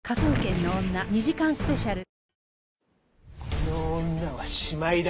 この女はしまいだ。